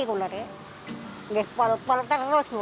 di kota pol pol terus